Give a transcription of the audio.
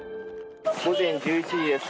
午前１１時です。